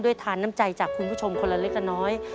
ทานน้ำใจจากคุณผู้ชมคนละเล็กละน้อย